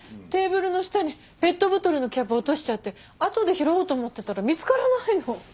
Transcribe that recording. テーブルの下にペットボトルのキャップ落としちゃってあとで拾おうと思ってたら見つからないの。